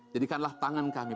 jadikanlah tangan kami